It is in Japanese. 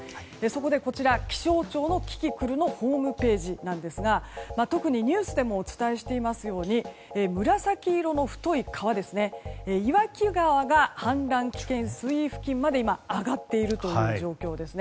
そこでこちら気象庁のキキクルのホームページですが特にニュースでもお伝えしていますように紫色の太い川岩木川が氾濫危険水位付近まで上がっているという状況です。